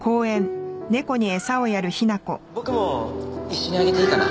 僕も一緒にあげていいかな？